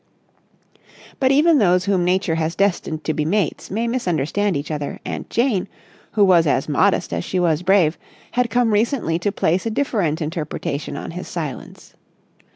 But even those whom Nature has destined to be mates may misunderstand each other, and Jane, who was as modest as she was brave, had come recently to place a different interpretation on his silence.